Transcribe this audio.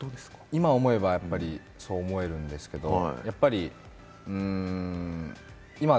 今思えばそう思えるんですけれども、うん。